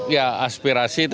ya aspirasi tentu